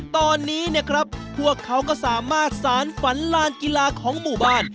ตอนนี้เนี่ยครับพวกเขาก็สามารถสารฝันลานกีฬาของหมู่บ้าน